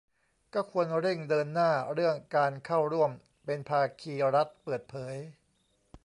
ก็ควรเร่งเดินหน้าเรื่องการเข้าร่วมเป็นภาคีรัฐเปิดเผย